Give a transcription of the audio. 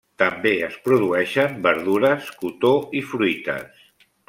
També es produeixen verdures, cotó i fruites.